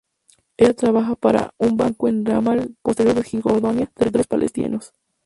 Ella trabaja para un banco en Ramallah, parte de Cisjordania, territorios palestinos.